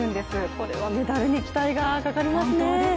これはメダルに期待がかかりますね。